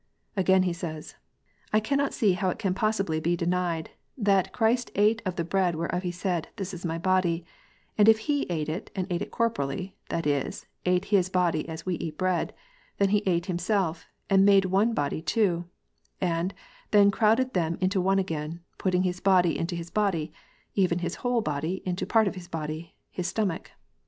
Again, he says, " I cannot see how it can possibly be denied, that Christ ate of the bread whereof He said, This is My body ; and if He ate it, and ate it corporally (that is, ate His body as we eat bread), then He ate Himself, and made one body two, and then crowded them into one again, putting His body into His body, even His whole body into part of His body, His stomach.